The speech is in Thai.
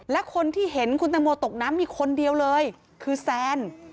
และคนที่เห็นคุณตังโมตกน้ำมีคนเดียวเลยคือแซน